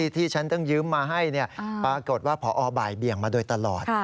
ที่ฉันต้องยืมมาให้ปรากฏว่าพอบ่ายเบี่ยงมาโดยตลอด